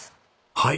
はい。